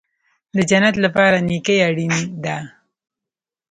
د جنت لپاره نیکي اړین ده